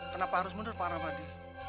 kenapa harus mundur pak rahmadi